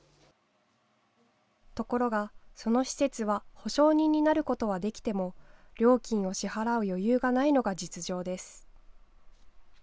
ところが、その施設は保証人になることはできても料金を支払う余裕がないのが実情です。